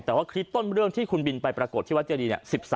แต่ว่าคลิปต้นเรื่องที่คุณบินไปปรากฏที่วัดเจดีเนี่ย